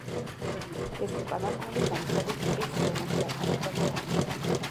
ეს უკანასკნელი ზამთრობით ტყის ზონაში აფარებდა თავს.